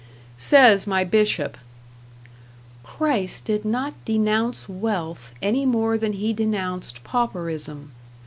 Says my Bishop: Christ did not denounce wealth any more than he denounced pauperism.